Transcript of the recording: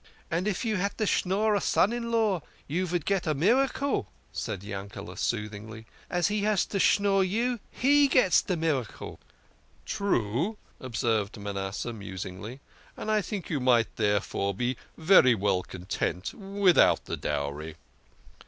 " And if you had to schnorr a son in law, you vould get a miracle," said Yankele soothingly. " As he has to schnorr you, he gets the miracle." " True," observed Manasseh musingly, " and I think you might therefore be very well content without the dowry."